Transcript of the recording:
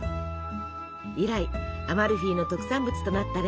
以来アマルフィの特産物となったレモン。